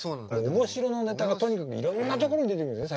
おもしろのネタがとにかくいろんなところに出てくるんですね